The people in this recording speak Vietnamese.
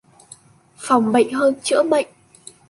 Phòng bệnh hơn chữa bệnh.